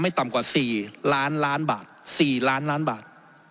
ไม่ต่ำกว่า๔ล้านล้านบาท